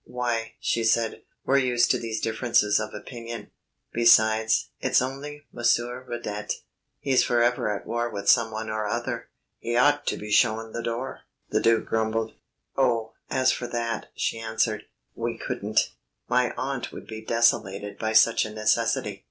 "Why," she said, "we're used to these differences of opinion. Besides, it's only Monsieur Radet; he's forever at war with someone or other." "He ought to be shown the door," the Duc grumbled. "Oh, as for that," she answered, "we couldn't. My aunt would be desolated by such a necessity.